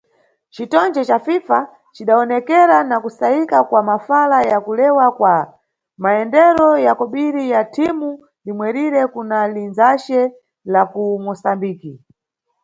Citonge ca FIFA cidawoneka na kusayika kwa mafala ya kulewa kwa mayendero ya kobiri ya thimu limwerire kuna lindzace la ku Musambiki.